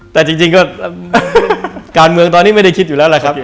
แต่จริงก็การเมืองตอนนี้ไม่ได้คิดอยู่แล้วแหละครับ